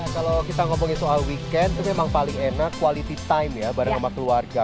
kalau kita ngomongin soal weekend itu memang paling enak quality time ya bareng sama keluarga